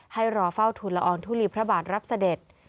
ให้รอเฝ้าทุนละอองทุลีพระบาทรับเสด็จ